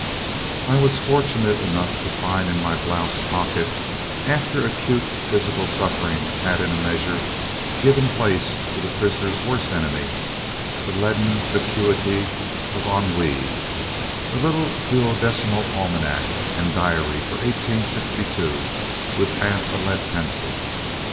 I was fortunate enough to find in my blouse pocket, after acute physical suffering had in a measure given place to the prisoner's worst enemy, the leaden vacuity of ennui, a little duodecimo almanac and diary for 1862, with half a lead pencil.